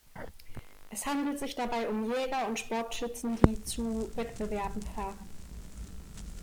Es handelt sich dabei um Jäger und Sportschützen, die zu Wettbewerben fahren.